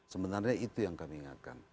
sebenarnya itu yang kami ingatkan